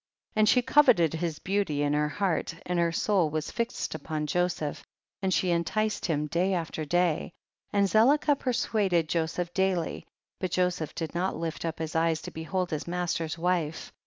16. And she coveted his beauty in her heart, and her soul was fixed upon Joseph, and she enticed him day after day, and Zelicah persuaded Joseph daily, but Joseph did not lift up his eyes to behold his master's wife.